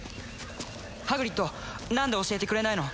ハグリッド何で教えてくれないの？